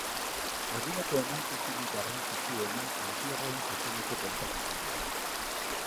Eguneko emankizunik garrantzitsuena entzierroen zuzeneko kontakizuna da.